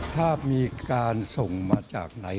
ถ้ามีการส่งมาจากไหน